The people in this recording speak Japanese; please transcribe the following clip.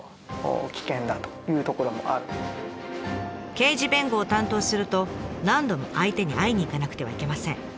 刑事弁護を担当すると何度も相手に会いに行かなくてはいけません。